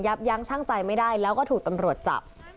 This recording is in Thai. ยั้งช่างใจไม่ได้แล้วก็ถูกตำรวจจับ